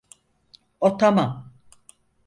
O tamam.